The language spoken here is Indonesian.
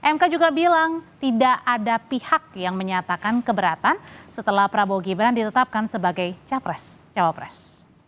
mk juga bilang tidak ada pihak yang menyatakan keberatan setelah prabowo gibran ditetapkan sebagai capres cawapres